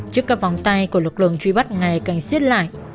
trước các vòng tay của lực lượng truy bắt ngay cảnh xiết lại